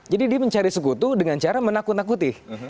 jadi dia mencari sekutu dengan cara menakut nakuti